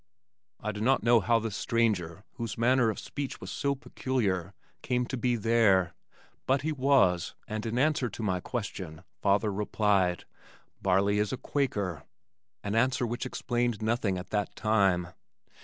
I do not know how this stranger whose manner of speech was so peculiar, came to be there, but he was and in answer to my question, father replied, "Barley is a Quaker," an answer which explained nothing at that time.